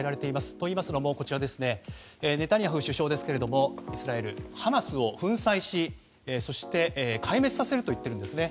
と、いいますのもイスラエルのネタニヤフ首相はハマスを粉砕しそして、壊滅させると言っているんですね。